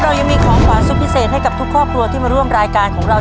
เรายังมีของขวานสุดพิเศษให้กับทุกครอบครัวที่มาร่วมรายการของเรา